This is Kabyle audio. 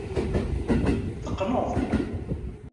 Teqqneḍ.